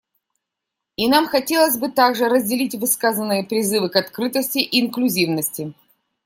И нам хотелось бы также разделить высказанные призывы к открытости и инклюзивности.